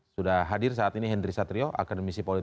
sudah hadir saat ini hendri satrio